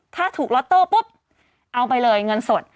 ถ้าถูกล็อตโต้ปุ๊บเอาไปเลยเงินสด